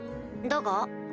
だが？